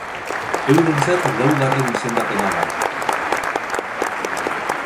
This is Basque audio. Eurentzat laugarren izendapena da.